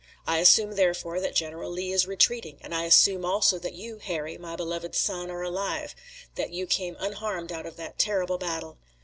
I assume therefore that General Lee is retreating and I assume also that you, Harry, my beloved son, are alive, that you came unharmed out of that terrible battle.